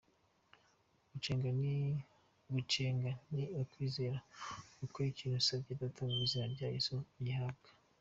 Gusenga ni ukwizera ko icyo usabye Data mu izina rya Yesu ugihawe.